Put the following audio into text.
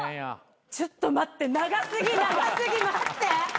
ちょっと待って長過ぎ長過ぎ待って。